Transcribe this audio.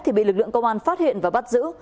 thì bị lực lượng công an phát hiện và bắt giữ